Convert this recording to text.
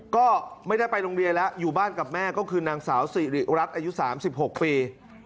ก็ไม่ได้ไปโรงเรียนแล้วอยู่บ้านกับแม่ก็คือนางสาวสิริรัตน์อายุ๓๖ปี